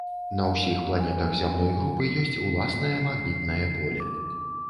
На ўсіх планетах зямной групы ёсць ўласнае магнітнае поле.